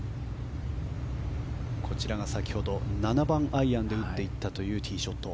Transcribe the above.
こちらが先ほど７番アイアンで打っていったティーショット。